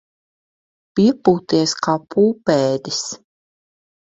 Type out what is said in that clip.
Piepūties kā pūpēdis.